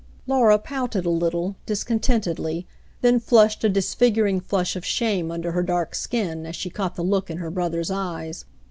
Laura pouted a little, discontentedly, then flushed a disfiguring flush of shame under her dark skin, as she caught the look in her brother's eyes.